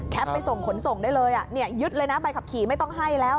ไปส่งขนส่งได้เลยยึดเลยนะใบขับขี่ไม่ต้องให้แล้ว